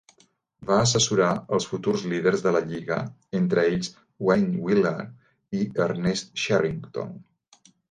Va assessorar els futurs líders de la lliga, entre ells Wayne Wheeler i Ernest Cherrington.